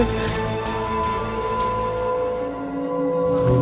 bantuin gue tuh